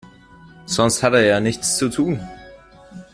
Sonst hat er ja nichts zu tun.